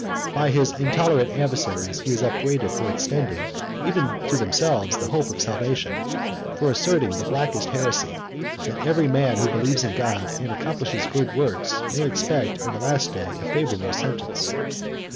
By his intolerant adversaries he is upbraided for extending, even to themselves, the hope of salvation, for asserting the blackest heresy, that every man who believes in God, and accomplishes good works, may expect in the last day a favorable sentence.